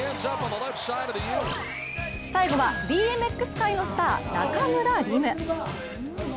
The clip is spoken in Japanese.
最後はＢＭＸ界のスター、中村輪夢。